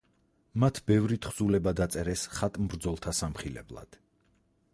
მათ ბევრი თხზულება დაწერეს ხატმბრძოლთა სამხილებლად.